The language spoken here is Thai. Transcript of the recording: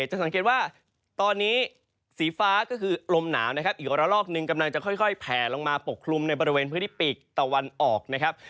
จะสังเกตว่าตอนนี้สีฟ้าก็คือลมหนาวนะครับอีกระลอกหนึ่งกำลังจะค่อยแผลลงมาปกคลุมในบริเวณพื้นที่ปีกตะวันออกนะครับ